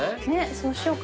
そうしようかな。